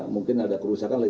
mungkin ada kerusakan lain